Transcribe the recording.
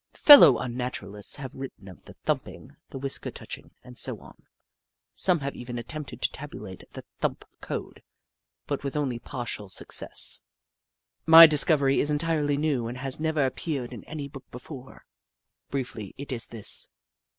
Fellow UnnaturaHsts have written of the thumping, the whisker touching, and so on. Some have even attempted to tabulate the thump code, but with only partial success. My discovery is entirely new and has never appeared in any book before. Briefly it is this.